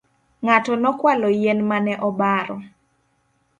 Ng'ato nokwalo yien mane obaro